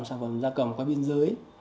sản phẩm da cầm qua biên giới